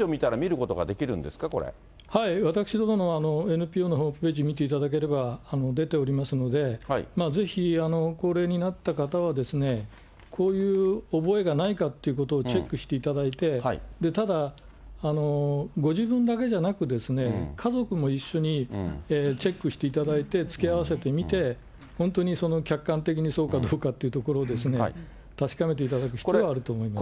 私どものＮＰＯのホームページ見ていただければ出ておりますので、ぜひ高齢になった方は、こういう覚えがないかということをチェックしていただいて、ただ、ご自分だけじゃなくですね、家族も一緒にチェックしていただいて、突き合わせてみて、本当にその客観的にそうかどうかというところを、確かめていただく必要はあると思います。